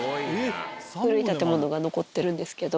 古い建物が残ってるんですけど。